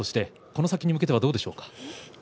この先に向けてはどうですか。